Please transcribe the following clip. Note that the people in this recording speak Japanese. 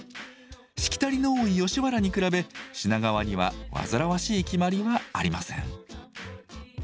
しきたりの多い吉原に比べ品川には煩わしい決まりはありません。